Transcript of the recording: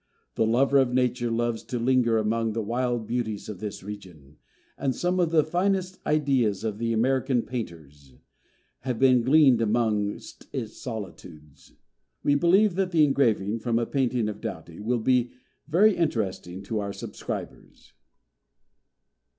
The lover of nature loves to linger among the wild beauties of this region; and some of the finest ideas of the American painters have been gleaned amongst its solitudes. We believe that the engraving, from a painting by Doughty, will be very interesting to our subscribers.